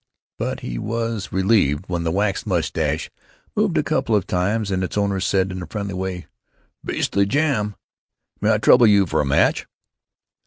But he was relieved when the waxed mustache moved a couple of times, and its owner said, in a friendly way: "Beastly jam!... May I trouble you for a match?"